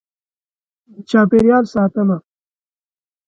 . د چاپېریال ساتنه: